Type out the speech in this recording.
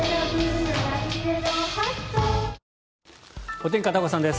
お天気、片岡さんです。